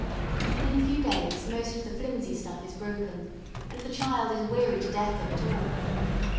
And in a couple of days most of the flimsy stuff is broken, and the child is weary to death of it all.